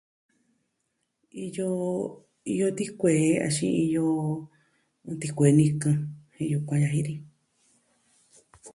Iyo, iyo tikuee axin iyo tikuee nikɨ jen yukuan yaji ni.